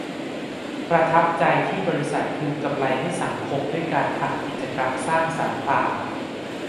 ประทับใจที่บริษัทคืนกำไรให้สังคมด้วยการทำกิจกรรมสร้างสรรค์ต่าง